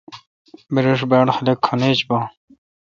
بریش باڑ خاق کھن ایج بان۔